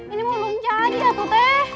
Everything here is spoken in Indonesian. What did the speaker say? ini belum jadi tuh teh